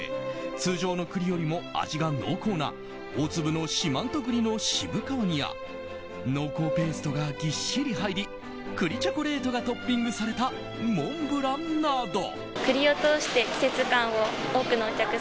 通常の栗よりも味が濃厚な大粒の四万十栗の渋皮煮や濃厚ペーストがぎっしり入り栗チョコレートがトッピングされたモンブランなど。